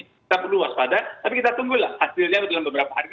kita perlu waspada tapi kita tunggu lah hasilnya dalam beberapa hari